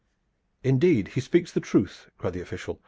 "Indeed, he speaks truth," cried the official.